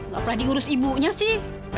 gak pernah diurus ibunya sih